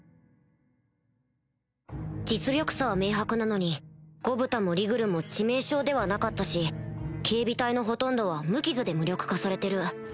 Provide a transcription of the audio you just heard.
実力差は明白なのにゴブタもリグルも致命傷ではなかったし警備隊のほとんどは無傷で無力化されてる